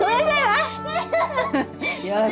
よし。